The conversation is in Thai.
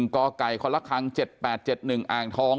กไก่คละคร๗๘๗๑อ่างทอง